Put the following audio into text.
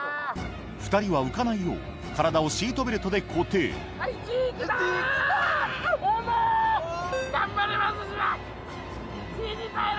２人は浮かないよう体をシートベルトで固定頑張れ松島Ｇに耐えろ。